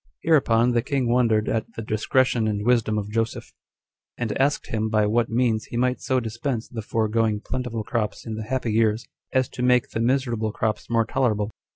7. Hereupon the king wondered at the discretion and wisdom of Joseph; and asked him by what means he might so dispense the foregoing plentiful crops in the happy years, as to make the miserable crops more tolerable.